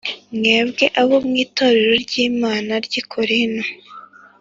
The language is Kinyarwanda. mwebwe abo mu itorero ry'Imana ry'i Korinto,